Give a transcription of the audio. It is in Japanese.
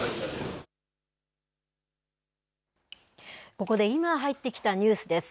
ここで今入ってきたニュースです。